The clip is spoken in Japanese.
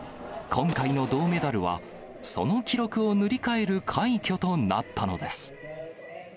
今回の銅メダルは、その記録を塗り替える快挙となったのです。